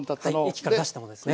液から出したものですね。